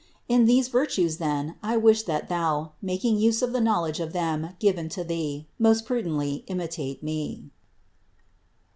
In these virtues then I wish that thou, making use of the knowledge of them given to thee, most prudently imitate me.